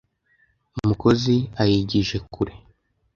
Mukozi ayigije kure